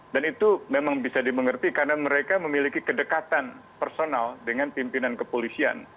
dan itu memang bisa dimengerti karena mereka memiliki kedekatan personal dengan pimpinan kepolisian